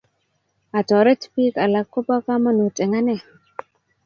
Atoret pik alak kopo kamanut eng' ane